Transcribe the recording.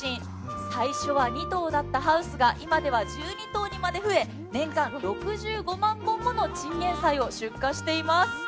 最初は２棟だったハウスが今では１２棟まで増え、年間６５万本ものチンゲンサイを出荷しています。